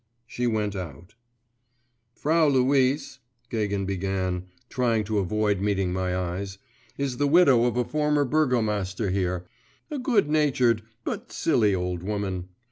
She went out. 'Frau Luise,' Gagin began, trying to avoid meeting my eyes, 'is the widow of a former burgomaster here, a good natured, but silly old woman.